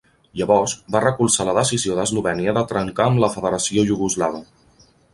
Llavors, va recolzar la decisió d'Eslovènia de trencar amb la Federació Iugoslava.